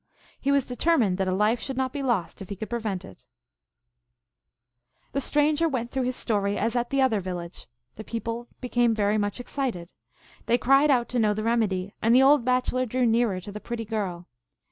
He was determined that a life should not be lost if he could prevent it. THE MERRY TALES OF LOX. 199 The Stranger went through his story as at the other village. The people became very much excited. They cried out to know the remedy, and the old bachelor drew nearer to the pretty girl.